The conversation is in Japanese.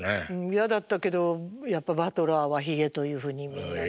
嫌だったけどやっぱバトラーはヒゲというふうにみんなね。